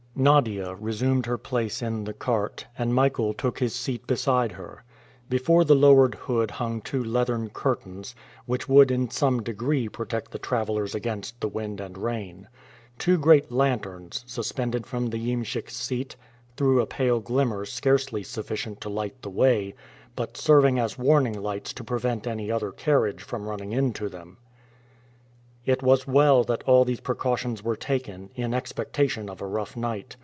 Nadia resumed her place in the cart, and Michael took his seat beside her. Before the lowered hood hung two leathern curtains, which would in some degree protect the travelers against the wind and rain. Two great lanterns, suspended from the iemschik's seat, threw a pale glimmer scarcely sufficient to light the way, but serving as warning lights to prevent any other carriage from running into them. It was well that all these precautions were taken, in expectation of a rough night.